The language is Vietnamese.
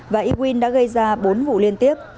và ewin đã gây ra bốn vụ liên tiếp